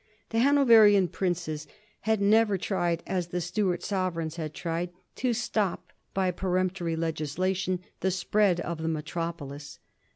The Hanoverian princes had never tried, as the Stuart sovereigns had tried, to stop by peremptory legislation the spread of the metropolis.